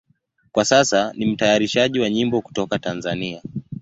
Kwa sasa ni mtayarishaji wa nyimbo kutoka Tanzania.